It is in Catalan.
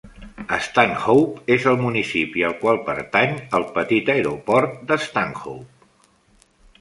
Stanhope és el municipi al qual pertany el petit aeroport de Stanhope.